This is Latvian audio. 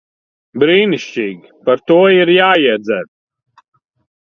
Brīnišķīgi. Par to ir jāiedzer.